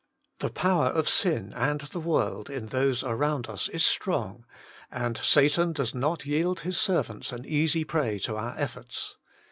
The power of sin, and the world, in those around us is strong, and Satan does not yield his servants an easy prey to our efforts.